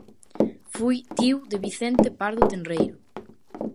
Foi tío de Vicente Pardo Tenreiro.